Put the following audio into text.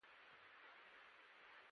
د ټولنې امنیت ته یې خطر نه جوړاوه.